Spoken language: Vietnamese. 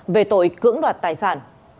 về tội cưỡng đoạt tài sản